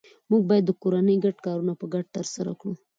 موږ باید د کورنۍ ګډ کارونه په ګډه ترسره کړو